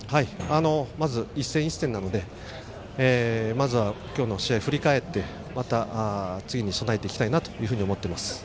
まず一戦一戦なのでまずは、今日の試合を振り返って次に備えていきたいなと思っています。